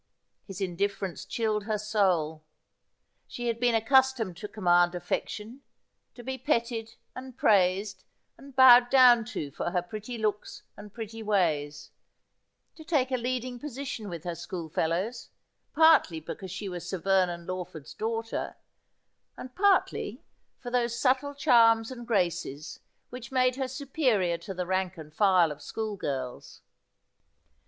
His indifference chilled her soul. She had been accustomed to command affection ; to be petted and praised and bowed down to for her pretty looks and pretty ways ; to take a leading position with her schoolfeHows, partly because she was Sir Vernon Lawford's daughter, and partly for those subtle charms and graces which made her superior to the rank and file of school girls.